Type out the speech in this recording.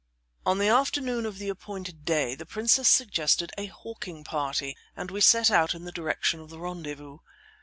On the afternoon of the appointed day, the princess suggested a hawking party, and we set out in the direction of the rendezvous.